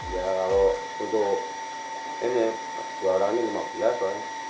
ya kalau untuk ini dua orang ini lima belas kan